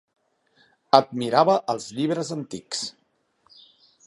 Admirava els llibres antics.